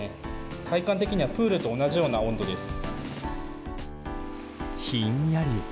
体感的にはプールと同じような温度です。